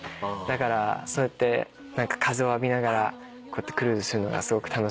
だからそうやって風を浴びながらこうやってクルーズするのがすごく楽しいんで。